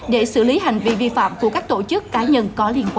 để xử lý hành vi vi phạm của các tổ chức cá nhân có liên quan